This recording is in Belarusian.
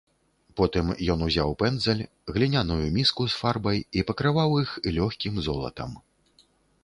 Потым ён узяў пэндзаль, гліняную міску з фарбай і пакрываў іх лёгкім золатам.